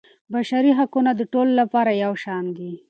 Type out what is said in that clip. بشري حقونه د ټولو لپاره یو شان دي.